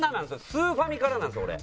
スーファミからなんです俺。